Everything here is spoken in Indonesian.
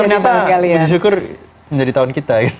dan ternyata beri syukur menjadi tahun kita